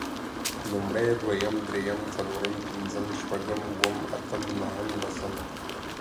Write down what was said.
لومړی، دويم، درېيم، څلورم، پنځم، شپږم، اووم، اتم نهم، لسم